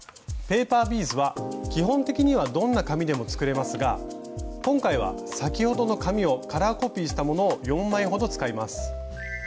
ペーパービーズは基本的にはどんな紙でも作れますが今回は先ほどの紙をカラーコピーしたものを４枚ほど使います。